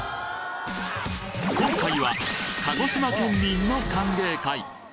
今回は、鹿児島県民の歓迎会。